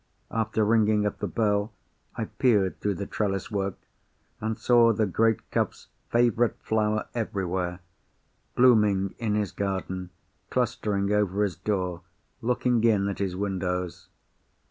After ringing at the bell, I peered through the trellis work, and saw the great Cuff's favourite flower everywhere; blooming in his garden, clustering over his door, looking in at his windows.